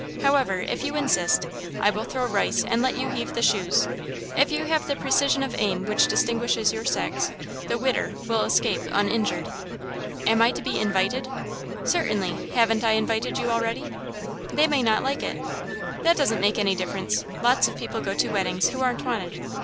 However, if you insist, I will throw the rice and let you heave the shoes. If you have the precision of aim which distinguishes your sex, the 'Widder' will escape uninjured." "Am I to be invited?" "Certainly haven't I already invited you?" "They may not like it." "That doesn't make any difference. Lots of people go to weddings who aren't wanted."